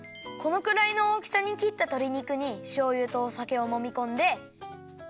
このくらいの大きさに切ったとり肉にしょうゆとおさけをもみこんで。